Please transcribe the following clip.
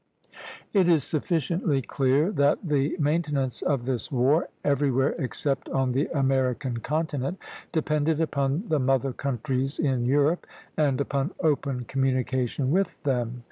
It is sufficiently clear that the maintenance of this war, everywhere except on the American continent, depended upon the mother countries in Europe and upon open communication with them.